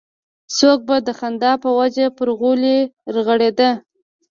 څوک به د خندا په وجه پر غولي رغړېده.